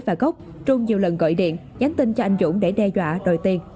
và cốc trung nhiều lần gọi điện nhắn tin cho anh dũng để đe dọa đòi tiền